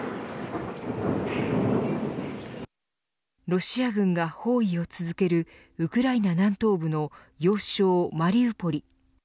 ロシア軍が包囲を続けるウクライナ南東部の要衝マリウポリ。